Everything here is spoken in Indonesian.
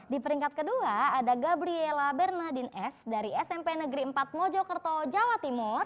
di peringkat kedua ada gabriela bernardin s dari smp negeri empat mojokerto jawa timur